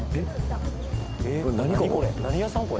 何屋さん？